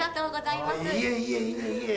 いえいえいえいえ。